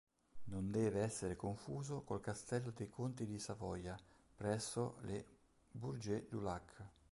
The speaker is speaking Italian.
Non deve essere confuso col castello dei conti di Savoia presso Le Bourget-du-Lac.